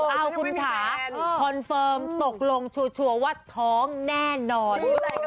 เอาคุณค่ะคอนเฟิร์มตกลงชัวร์ว่าท้องแน่นอน